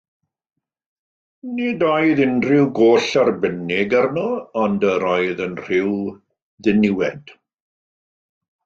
Nid oedd unrhyw goll arbennig arno, ond yr oedd yn rhyw ddiniwed.